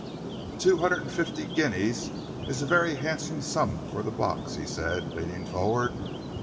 "Two hundred and fifty guineas is a very handsome sum for the box," he said, leaning forward.